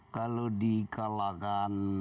kalau di kalahkan